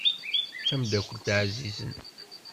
D tamdakkelt ɛzizen.